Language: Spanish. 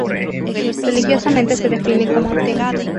Religiosamente se define como ateo.